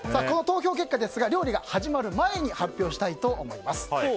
この投票結果は料理が始まる前に発表したいと思います。